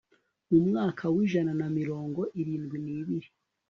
mu mwaka w'ijana na mirongo irindwi n'ibiri